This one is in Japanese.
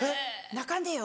「泣かんでよ」